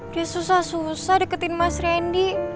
dia susah susah deketin mas randy